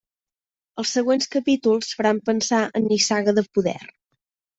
Els següents capítols faran pensar en Nissaga de poder.